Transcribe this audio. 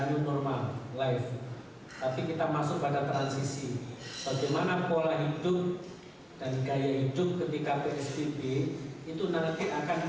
bagaimana pola hidup dan gaya hidup ketika psbb itu nanti akan diboyong kepada masa transisi dan masa mulai